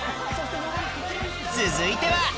続いては。